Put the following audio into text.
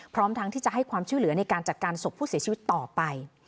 พร้อมทั้งที่จะให้ความช่วยเหลือในการจัดการศพผู้เสียชีวิตต่อไป